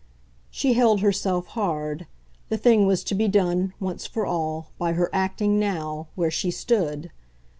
She held herself hard; the thing was to be done, once for all, by her acting, now, where she stood.